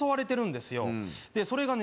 でそれがね